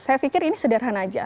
saya pikir ini sederhana aja